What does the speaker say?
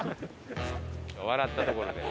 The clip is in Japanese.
笑ったところで。